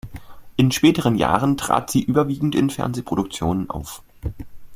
In späteren Jahren trat sie überwiegend in Fernsehproduktionen auf.